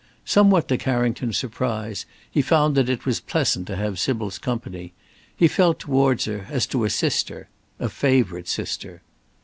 Somewhat to Carrington's surprise, he found that it was pleasant to have Sybil's company. He felt towards her as to a sister a favourite sister.